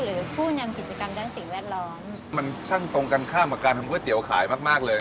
หรือผู้นำกิจกรรมด้านสิ่งแวดล้อมมันช่างตรงกันข้ามกับการทำก๋วยเตี๋ยวขายมากมากเลย